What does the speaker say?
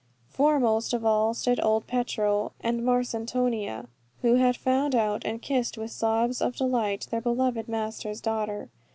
Foremost of all stood old Petro and Marcantonia, who had found out and kissed with sobs of delight their beloved master's daughter.